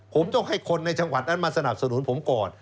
ผมต้องให้คนในจังหวัดนั้นมาสนับสนุนผมก่อน